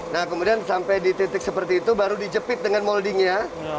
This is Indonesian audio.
nah kemudian sampai di titik seperti itu baru dijepit dengan moldingnya